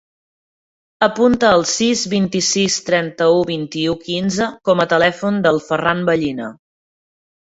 Apunta el sis, vint-i-sis, trenta-u, vint-i-u, quinze com a telèfon del Ferran Vallina.